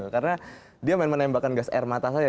karena dia memang menembakkan gas air mata saja